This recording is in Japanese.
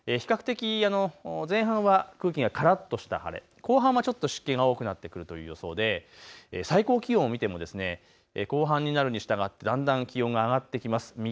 比較的前半は空気がからっとした晴れ、後半はちょっと湿気が多くなってくるという予想で最高気温を見ても後半になるにしたがってだんだん気温が上がってきます。